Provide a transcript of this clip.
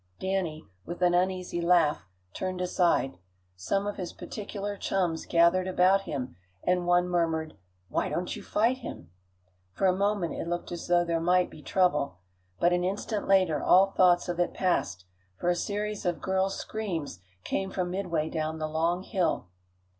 Danny, with an uneasy laugh, turned aside. Some of his particular chums gathered about him, and one murmured: "Why don't you fight him?" For a moment it looked as though there might be trouble, but an instant later all thoughts of it passed, for a series of girls' screams came from midway down the long hill.